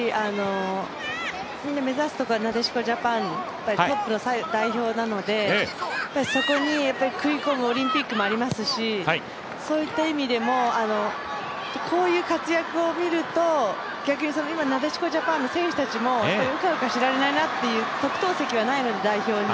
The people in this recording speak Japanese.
みんな目指すところはなでしこジャパン、トップの代表なので、そこに食い込むオリンピックもありますしそういった意味でも、こういう活躍を見ると逆に今なでしこジャパンの選手たちもうかうかしていられないなという、代表に特等席はないので。